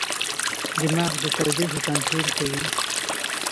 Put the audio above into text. دماغ د تودوخې کنټرول کوي.